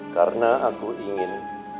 karena aku ingin